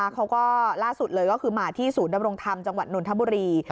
ล่าสุดเลยก็คือมาที่ศูนย์ดำรงธรรมจังหวัดนนทบุรี